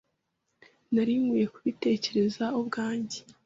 Nari nkwiye kubitekereza ubwanjye.